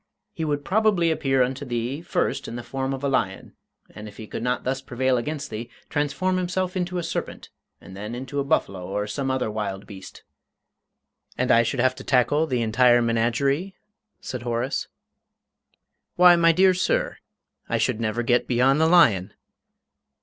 "He would probably appear unto thee first in the form of a lion, and if he could not thus prevail against thee, transform himself into a serpent, and then into a buffalo or some other wild beast." "And I should have to tackle the entire menagerie?" said Horace. "Why, my dear sir, I should never get beyond the lion!"